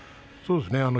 そうですね。